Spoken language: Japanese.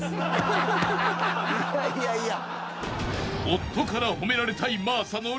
［夫から褒められたい真麻の］